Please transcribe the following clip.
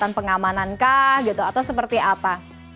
dan pengamanankah gitu atau seperti apa